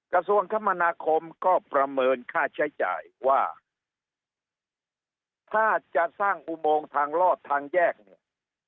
กระทรวงคมนาคมก็ประเมินค่าใช้จ่ายว่าถ้าจะสร้างอุโมงทางลอดทางแยกเนี่ย